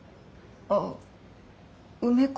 ああ梅子